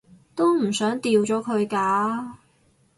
都唔想掉咗佢㗎